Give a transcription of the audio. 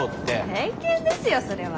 偏見ですよそれは。